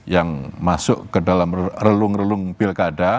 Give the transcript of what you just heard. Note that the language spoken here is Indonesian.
yang masuk ke dalam relung relung pilkada